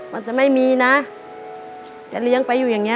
มันจะไม่มีนะจะเลี้ยงไปอยู่อย่างเงี้